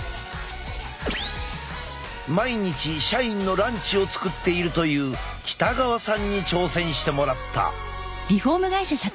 毎日社員のランチを作っているという北川さんに挑戦してもらった。